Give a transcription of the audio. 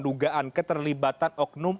dugaan keterlibatan oknum